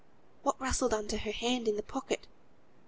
What rustled under her hand in the pocket?